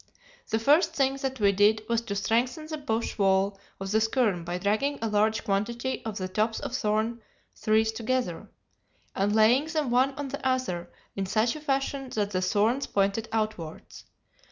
The first thing that we did was to strengthen the bush wall of the skerm by dragging a large quantity of the tops of thorn trees together, and laying them one on the other in such a fashion that the thorns pointed outwards.